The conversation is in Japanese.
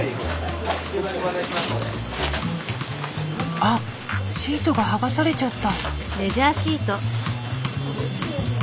あっシートが剥がされちゃった。